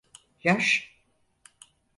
Yaş?